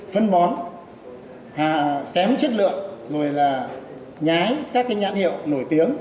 phân bón kém chất lượng rồi là nhái các nhãn hiệu nổi tiếng